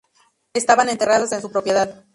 Estaban enterrados en su propiedad.